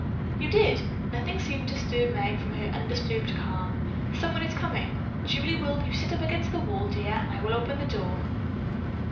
"You did." Nothing seemed to stir Meg from her undisturbed calm. "Someone is coming. Julie, will you sit up against the wall, dear, and I will open the door."